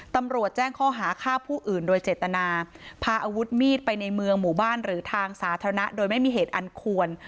ตำรวจแจ้งข้อหาฆ่าผู้อื่นโดยเจตนาพาอาวุธมีดไปในเมืองหมู่บ้านหรือทางสาธารณะโดยไม่มีเหตุอันควร